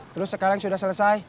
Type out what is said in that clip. terus sekarang sudah selesai